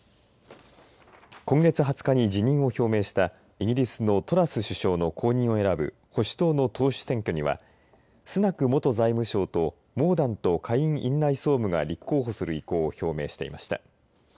今月２０日に辞任を表明したイギリスのトラス首相の後任を選ぶ保守党の党首選挙には、スナク元財務相とモーダント下院院内総務が立候補する意向を表明していました。